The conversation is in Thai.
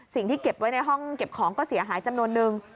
เก็บไว้ในห้องเก็บของก็เสียหายจำนวนนึง